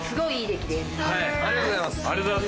ありがとうございます。